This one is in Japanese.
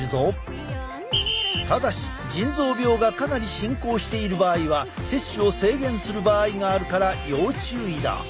ただし腎臓病がかなり進行している場合は摂取を制限する場合があるから要注意だ。